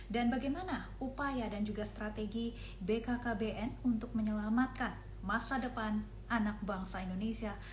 dan bagaimana upaya dan juga strategi bkkbn untuk menyelamatkan masa depan anak bangsa indonesia